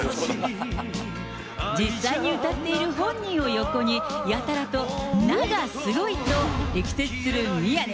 実際に歌っている本人を横に、やたらと、ながすごいと力説する宮根。